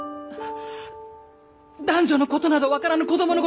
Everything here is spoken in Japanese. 男女のことなど分からぬ子どものこと！